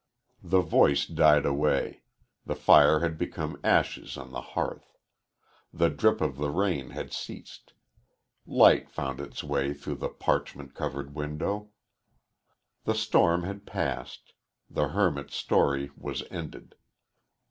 The voice died away. The fire had become ashes on the hearth. The drip of the rain had ceased light found its way through the parchment covered window. The storm had passed. The hermit's story was ended.